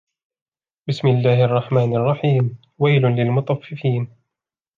بِسْمِ اللَّهِ الرَّحْمَنِ الرَّحِيمِ وَيْلٌ لِلْمُطَفِّفِينَ